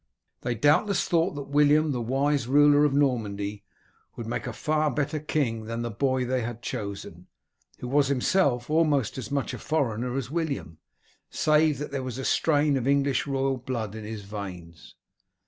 They doubtless thought that William, the wise ruler of Normandy, would make a far better king than the boy they had chosen, who was himself almost as much a foreigner as William, save that there was a strain of English royal blood in his veins.